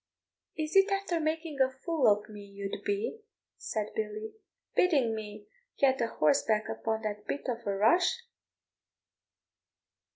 "Is it after making a fool of me you'd be," said Billy, "bidding me get a horseback upon that bit of a rush?